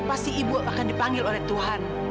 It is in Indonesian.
pasti ibu akan dipanggil oleh tuhan